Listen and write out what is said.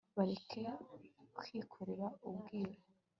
bareke kwikorera ubwiru